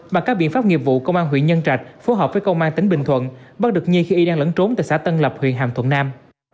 bằng các biện pháp nghiệp vụ công an huyện nhân trạch phối hợp với công an tỉnh bình thuận bắt được nhi khi y đang lẫn trốn tại xã tân lập huyện hàm thuận nam